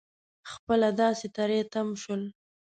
خپله داسې تری تم شول.